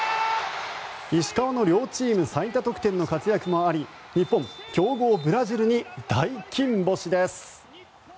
石川の両チーム最多得点の活躍もあり日本強豪ブラジルに大金星です。